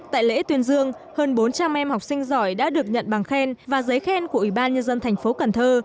tại lễ tuyên dương hơn bốn trăm linh em học sinh giỏi đã được nhận bằng khen và giấy khen của ubnd tp cần thơ